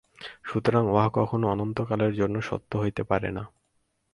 সুতরাং উহা কখনও অনন্তকালের জন্য সত্য হইতে পারে না।